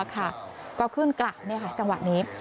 ก็ขึ้นกลับจังหวะนี้